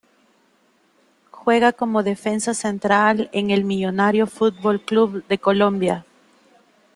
Juega como defensa central en el Millonarios Fútbol Club de Colombia.